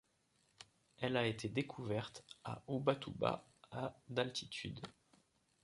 Elle a été découverte à Ubatuba à d'altitude.